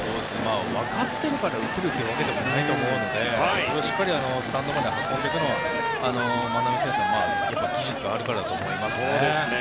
分かっているから打てるというわけでもないと思うのでそれをしっかりスタンドまで運ぶのは万波選手は技術があるからだと思いますね。